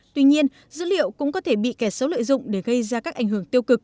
tuy nhiên dữ liệu cũng có thể bị kẻ xấu lợi dụng để gây ra các ảnh hưởng tiêu cực